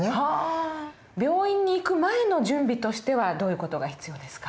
病院に行く前の準備としてはどういう事が必要ですか？